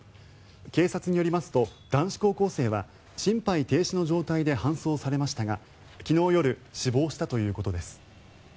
警察によりますと男子高校生は心肺停止の状態で搬送されましたが昨日夜死亡したということです。